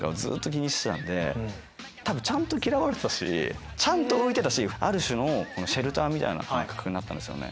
たぶんちゃんと嫌われてたしちゃんと浮いてたしある種のシェルターみたいな感覚になったんですよね。